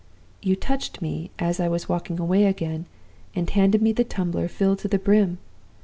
You touched me, as I was walking away again, and handed me the tumbler filled to the brim.